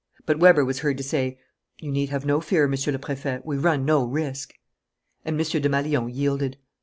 But Weber was heard to say: "You need have no fear, Monsieur le Préfet. We run no risk." And M. Desmalions yielded.